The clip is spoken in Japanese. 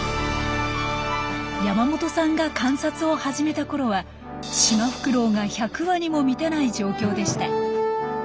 山本さんが観察を始めたころはシマフクロウが１００羽にも満たない状況でした。